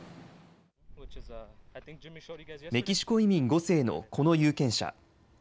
メキシコ移民５世のこの有権者。